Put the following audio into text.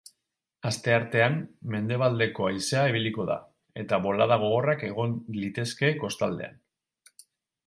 Asteartean, mendebaldeko haizea ibiliko da, eta bolada gogorrak egon litezke kostaldean.